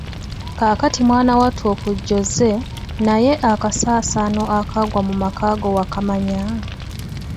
Kaakati mwana wattu okujja ozze, naye akasaasaano akaagwa mu makaago wakamanya?